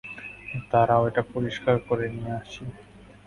দাঁড়াও এটা পরিষ্কার করে নিয়ে আসি।